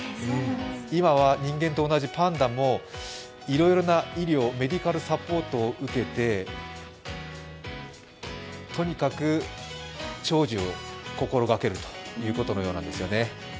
今は人間と同じで、パンダもいろいろな医療、メディカルサポートを受けて、とにかく長寿を心がけるということのようなんです。